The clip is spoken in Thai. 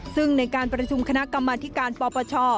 ซึ่งในการประชุมคณะกรรมธิการปปช